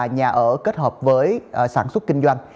nhà ở kết hợp với sản xuất kinh doanh